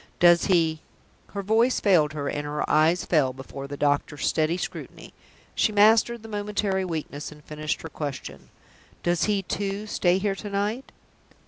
"Does he ?" Her voice failed her, and her eyes fell before the doctor's steady scrutiny. She mastered the momentary weakness, and finished her question. "Does he, too, stay here to night?"